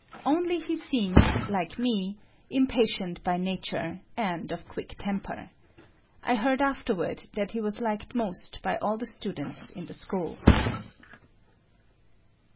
Only he seemed, like me, impatient by nature and of quick temper. I heard afterward that he was liked most by all the students in the school.